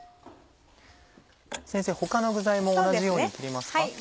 先生他の具材も同じように切りますか？